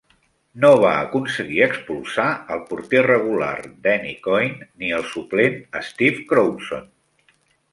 No va aconseguir expulsar el porter regular Danny Coyne ni el suplent Steve Croudson.